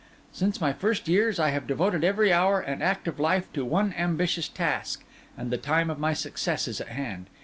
Since my first years, I have devoted every hour and act of life to one ambitious task; and the time of my success is at hand.